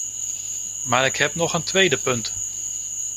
Maar ik heb nog een tweede punt.